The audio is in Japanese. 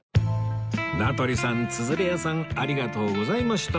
名取さんつゞれ屋さんありがとうございました